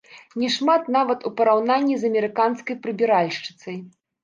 Не шмат нават у параўнанні з амерыканскай прыбіральшчыцай.